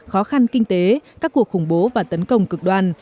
khó khăn kinh tế các cuộc khủng bố và tấn công cực đoan